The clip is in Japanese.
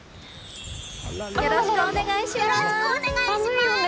よろしくお願いします！